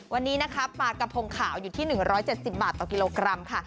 วันนี้นะคะปลากระพงขาวอยู่ที่๑๗๐บาทต่อกิโลกรัมค่ะ